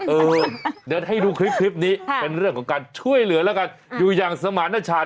เออเดี๋ยวให้ดูคลิปนี้เป็นเรื่องของการช่วยเหลือแล้วกันอยู่อย่างสมารณชัย